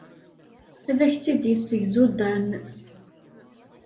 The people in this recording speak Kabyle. Ad ak-tt-id-yessegzu Dan.